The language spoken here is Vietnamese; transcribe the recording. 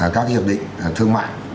các hiệp định thương mại